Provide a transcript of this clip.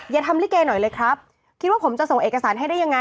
อย่าทำลิเกหน่อยเลยครับคิดว่าผมจะส่งเอกสารให้ได้ยังไง